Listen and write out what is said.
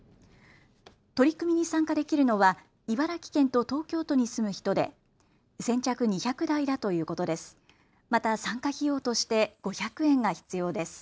取り組みに参加できるのは茨城県と東京都に住む人で先着２００台だということです。